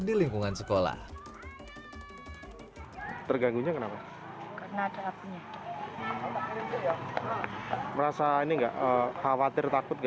di lingkungan sekolah terganggu kenapa karena terhapusnya merasa ini enggak khawatir takut